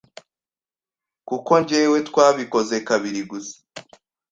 kuko jyewe twabikoze kabiri gusa